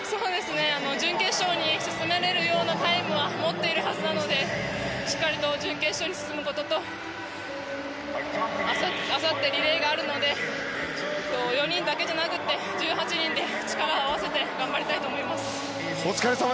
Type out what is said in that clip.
準決勝に進めるようなタイムは持っているはずなのでしっかりと準決勝に進むこととあさってリレーがあるので４人だけじゃなくて１８人で力を合わせて頑張りたいと思います。